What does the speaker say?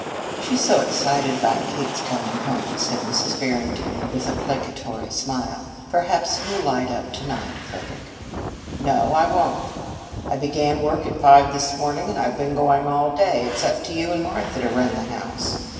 "She's so excited over Kate's coming home," said Mrs. Barrington with a placatory smile. "Perhaps you'll light up to night, Frederick." "No, I won't. I began work at five this morning and I've been going all day. It's up to you and Martha to run the house."